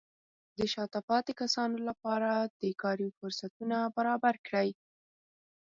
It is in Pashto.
د شاته پاتې کسانو لپاره د کار فرصتونه برابر کړئ.